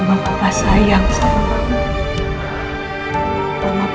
kamu tahu gak tuh sayang sama aku